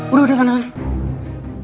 udah udah sana kan